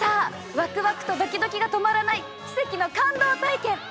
ワクワクとドキドキが止まらない奇跡の感動体験！